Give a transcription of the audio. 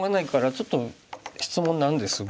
ちょっと質問なんですが。